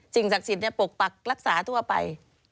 สิ่งศักดิ์สิทธิ์เนี่ยปกปรักรักษาทั่วไป